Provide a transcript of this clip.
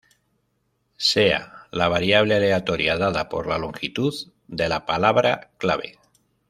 Sea la variable aleatoria dada por la longitud de la palabra clave.